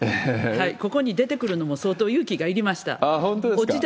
ここに出てくるのも相当勇気がいりました。